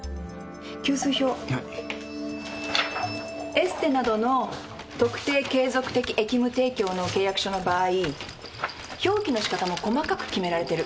エステなどの特定継続的役務提供の契約書の場合表記のしかたも細かく決められてる。